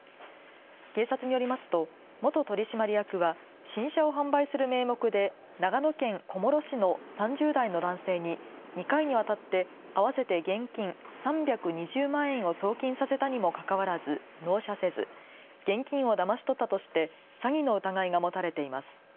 警察によりますと元取締役は新車を販売する名目で長野県小諸市の３０代の男性に２回にわたって合わせて現金３２０万円を送金させたにもかかわらず納車せず現金をだまし取ったとして詐欺の疑いが持たれています。